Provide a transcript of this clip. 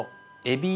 え？